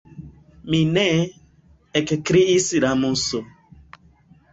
“Mi ne!” ekkriis la Muso.